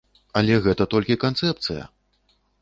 Але гэта толькі канцэпцыя!